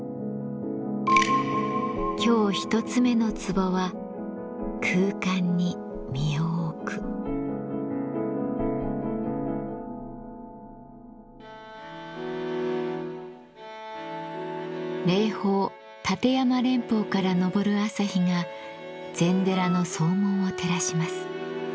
今日１つ目の壺は霊峰立山連峰から昇る朝日が禅寺の総門を照らします。